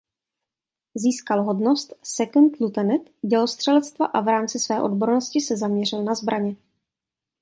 Získal hodnost "Second lieutenant" dělostřelectva a v rámci své odbornosti se zaměřil na zbraně.